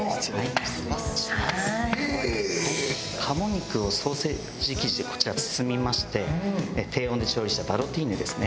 鴨肉をソーセージ生地でこちら包みまして低温で調理したバロティーヌですね。